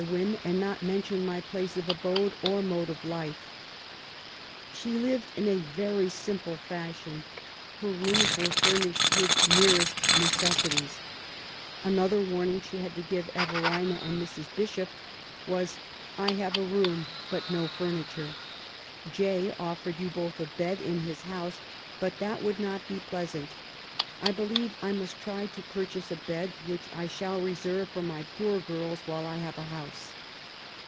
whim, and not mention my place of abode or mode of life/' She lived in very simple faahion; her rooms were furnished with the merest necessities* Another warning she had to give Everina and Mrs. Bishop was^ I have a room^ but no furniture. J. o£Eered you both a bed in his house^ but that would not be plea sant. I believe I must try to purchase a bed^ which I shall reserve for my poor girls while I have a house."